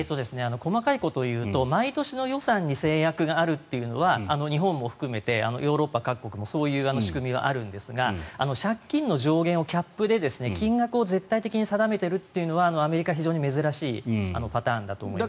細かいことを言うと毎年の予算に制約があるというのは日本も含めてヨーロッパ各国もそういう仕組みがあるんですが借金の上限を、キャップで金額を絶対的に定めているというのはアメリカ、非常に珍しいパターンだと思います。